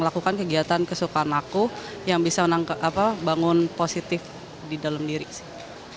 lakukan kegiatan kesukaan aku yang bisa bangun positif di dalam diri sih